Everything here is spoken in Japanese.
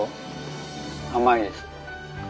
甘いです。